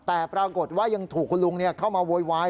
แต่ปรากฏว่ายังถูกคุณลุงเข้ามาโวยวาย